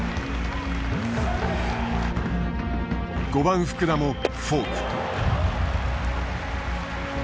５番福田もフォーク。